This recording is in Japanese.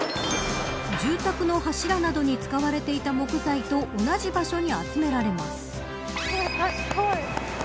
住宅の柱などに使われていた木材と同じ場所に集められます。